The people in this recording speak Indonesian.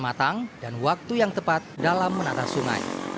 matang dan waktu yang tepat dalam menata sungai